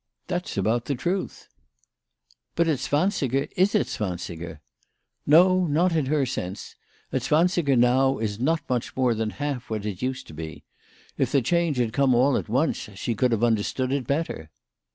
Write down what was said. That's about the truth." " But a zwansiger is a zwansiger." " No ; not in her sense. A zwansiger now is not much more than half what it used to be. If the change had come all at once she could have under stood it better."